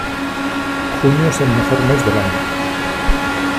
Junio es el mejor mes del año.